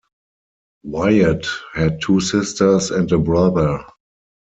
Wyatt had two sisters and a brother.